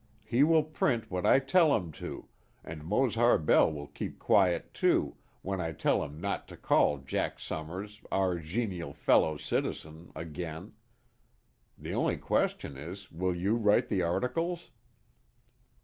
He will print what I tell him to, and Mose Harbell will keep quiet too, when I tell him not to call Jack Summers 'our genial fellow citizen' again. The only question is, will you write the articles?"